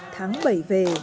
tháng bảy về